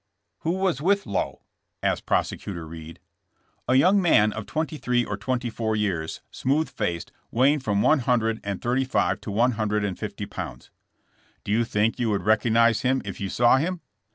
"Who was with Lowe?" asked Prosecutor Reed. A young man of twenty three or twenty four years, smooth faced, weighing from one hundred and thirty five to one hundred and fifty pounds." "Do you think you would recognize him if you saw him?"